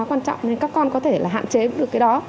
quan trọng nên các con có thể là hạn chế được cái đó